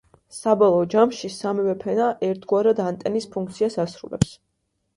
საბოლოო ჯამში, სამივე ფენა ერთგვარად, ანტენის ფუნქციას ასრულებს.